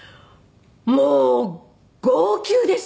もう号泣です！